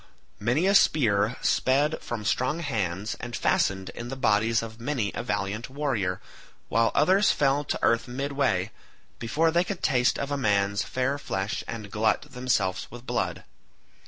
Many a spear sped from strong hands and fastened in the bodies of many a valiant warrior, while others fell to earth midway, before they could taste of man's fair flesh and glut themselves with blood.